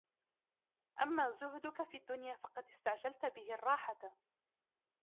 أَمَّا زُهْدُك فِي الدُّنْيَا فَقَدْ اسْتَعْجَلْت بِهِ الرَّاحَةَ